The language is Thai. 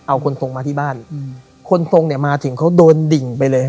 เอาคนตรงมาที่บ้านคนตรงเนี่ยมาถึงเขาโดนดิ่งไปเลย